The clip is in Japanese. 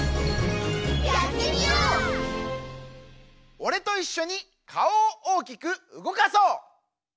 おれといっしょにかおをおおきくうごかそう！